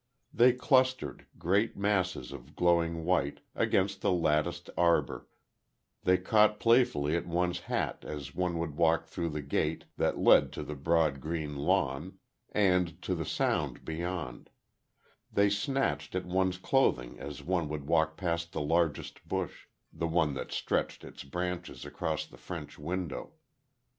They clustered, great masses of glowing white, against the latticed arbor they caught playfully at one's hat as one would walk through the gate that led to the broad green lawn, and to the Sound beyond they snatched at one's clothing as one would walk past the largest bush the one that stretched its branches across the French window.